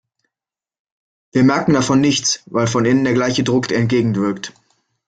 Wir merken davon nichts, weil von innen der gleiche Druck entgegenwirkt.